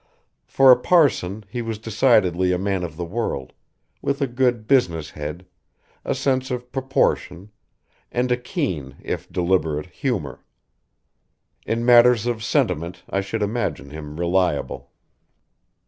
For a parson he was decidedly a man of the world, with a good business head, a sense of proportion, and a keen, if deliberate humour. In matters of sentiment I should imagine him reliable.